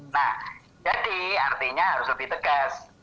nah jadi artinya harus lebih tegas